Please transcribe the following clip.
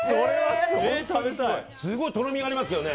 すごいとろみがありますけどね。